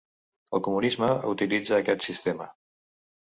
El comunisme utilitza aquest sistema.